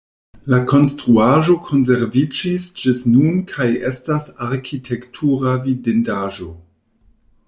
La konstruaĵo konserviĝis ĝis nun kaj estas arkitektura vidindaĵo.